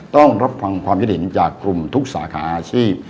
ต้องรับฟังความคิดเห็นจากกลุ่มทุกสาขาอาชีพ